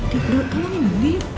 diburu kamu ini bener